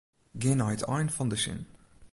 Gean nei it ein fan de sin.